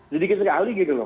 sedikit sekali gitu loh